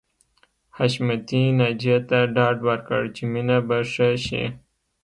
حشمتي ناجیې ته ډاډ ورکړ چې مينه به ښه شي